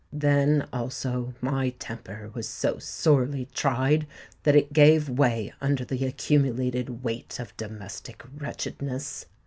Then also my temper was so sorely tried that it gave way under the accumulated weight of domestic wretchedness.